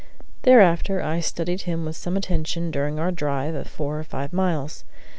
Thereafter I studied him with some attention during our drive of four or five miles.